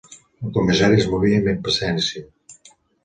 El comissari es movia amb impaciència.